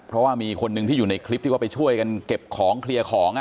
เพราะว่ามีคนหนึ่งที่อยู่ในคลิปที่ว่าไปช่วยกันเก็บของเคลียร์ของ